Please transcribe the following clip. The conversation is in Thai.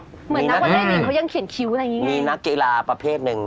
เหมือนนักวอเล็กหญิงเขายังเขียนคิ้วอะไรอย่างงี้มีนักกีฬาประเภทหนึ่ง